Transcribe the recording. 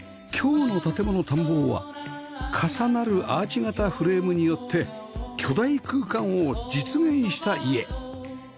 今日の『建もの探訪』は重なるアーチ形フレームによって巨大空間を実現した家